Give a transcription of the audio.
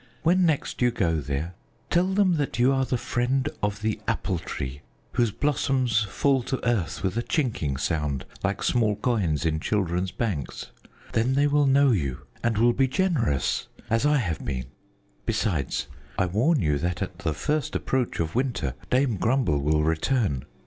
When next you go there, tell them that you are the friend of the Apple Tree whose blossoms fall to earth with a chinking sound, like small coins in children's banks. Then they will know you and will be generous as I have been. Besides, I warn you that at the first approach of winter, Dame Grumble will return.